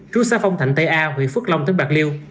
trú xa phong thành tây a huyện phước long tỉnh bạc liêu